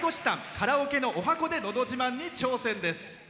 カラオケの、おはこで「のど自慢」に挑戦です。